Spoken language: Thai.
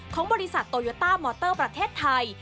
ของบริษัทโตโยต้ามอเตอร์ประเทศไทย